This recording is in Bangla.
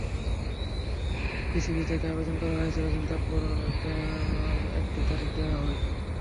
বিসিবি থেকে আবেদন করা হয়েছিল যেন তারপর কোনো একটি তারিখ দেওয়া হয়।